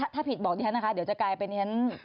ถ้าผิดบอกอย่างนี้นะคะเดี๋ยวจะกลายเป็นอย่างนี้